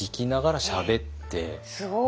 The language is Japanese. すごい！